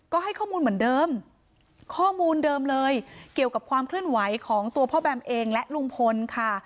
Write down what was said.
ก็ให้ข้อมูลเหมือนเดิมข้อมูลเดิมเลยเกี่ยวกับความเคลื่อนไหวของตัวพ่อแบมเองและลุงพลค่ะ